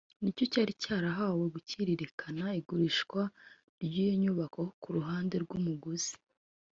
nicyo cyari cyahawe gukurikirana igurishwa ry’iyo nyubako ku ruhande rw’umuguzi